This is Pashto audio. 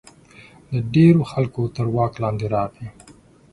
د ډېرو خلکو تر واک لاندې راغی.